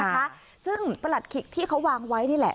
นะคะซึ่งประหลัดขิกที่เขาวางไว้นี่แหละ